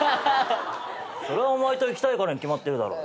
それはお前と行きたいからに決まってるだろ。